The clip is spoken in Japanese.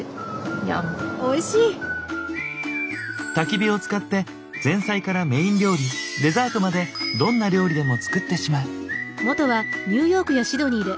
たき火を使って前菜からメイン料理デザートまでどんな料理でも作ってしまう。